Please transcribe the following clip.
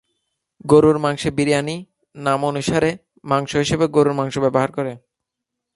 গরুর মাংসের বিরিয়ানি, নাম অনুসারে, মাংস হিসাবে গরুর মাংস ব্যবহার করে।